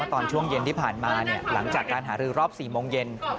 ตอนช่วงเย็นที่ผ่านมาหลังจากการหารือรอบ๔โมงเย็น